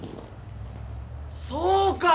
そうか！